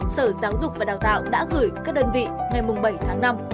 sở giáo dục và đào tạo đã gửi các đơn vị ngày bảy tháng năm